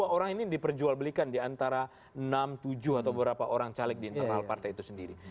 dua orang ini diperjualbelikan diantara enam tujuh atau berapa orang caleg di internal partai itu sendiri